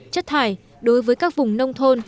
chất thải đối với các vùng nông thôn